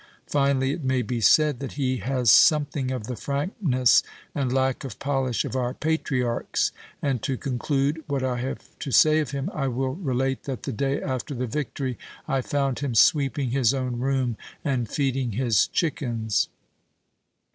Finally, it may be said that he has something of the frankness and lack of polish of our patriarchs; and, to conclude what I have to say of him, I will relate that the day after the victory I found him sweeping his own room and feeding his chickens."